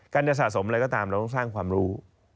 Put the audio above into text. จะสะสมอะไรก็ตามเราต้องสร้างความรู้